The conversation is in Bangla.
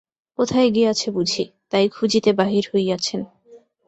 কোথায় গিয়াছে বুঝি, তাই খুঁজিতে বাহির হইয়াচেন।